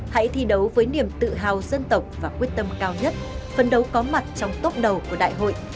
hãy thi đấu với niềm tự hào dân tộc và quyết tâm cao nhất phân đấu có mặt trong tốc đầu của đại hội